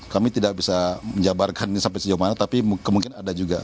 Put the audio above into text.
kami tidak bisa menjabarkan ini sampai sejauh mana tapi kemungkinan ada juga